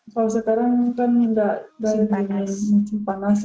kalau sekarang kan enggak panas